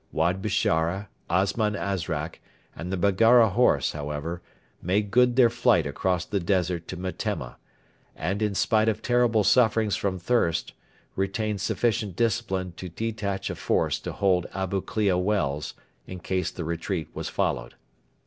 Wad Bishara, Osman Azrak, and the Baggara horse, however, made good their flight across the desert to Metemma, and, in spite of terrible sufferings from thirst, retained sufficient discipline to detach a force to hold Abu Klea Wells in case the retreat was followed.